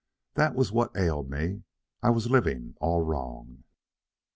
That was what ailed me; I was living all wrong."